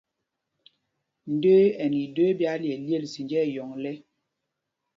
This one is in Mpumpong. Ndə́ə́ ɛ nɛ idə́ə́ ɓī ályelyêl zinjá ɛyɔŋ lɛ̄.